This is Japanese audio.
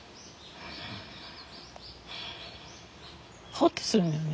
ほっとするのね